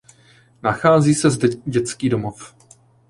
Nachází se zde dětský domov.